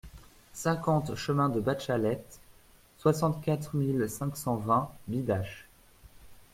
cinquante chemin de Batchalette, soixante-quatre mille cinq cent vingt Bidache